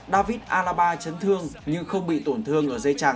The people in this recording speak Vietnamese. david alaba chấn thương nhưng không bị tổn thương